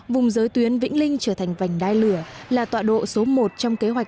vùng giới tuyến vĩnh linh trở thành vành đai lửa là tọa độ số một trong kế hoạch